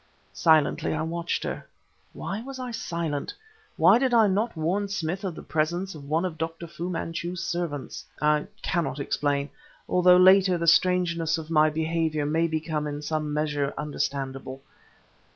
Silently I watched her. Why was I silent? why did I not warn Smith of the presence of one of Dr. Fu Manchu's servants? I cannot explain, although later, the strangeness of my behavior may become in some measure understandable.